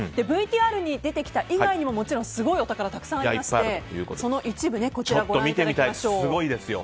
ＶＴＲに出てきた以外にももちろん、すごいお宝がたくさんありましてすごいですよ。